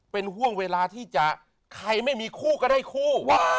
เป็นห่วงเวลาที่จะใครไม่มีคู่ก็ได้คู่